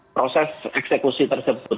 proses eksekusi tersebut